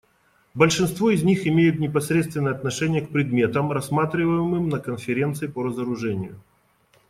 Большинство из них имеют непосредственное отношение к предметам, рассматриваемым на Конференции по разоружению.